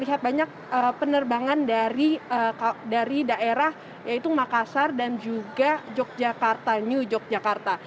ada penerbangan dari daerah makassar dan juga new yogyakarta